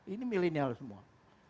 ini milenial semua